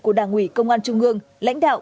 của đảng ủy công an trung ương lãnh đạo